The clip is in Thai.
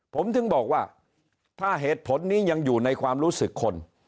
ผมถึงบอกว่าถ้าเหตุผลนี้ยังอยู่ในความรู้สึกคน